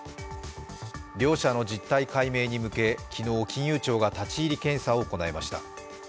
両社の実態解明に向け、昨日、金融庁が立ち入り検査を行いました。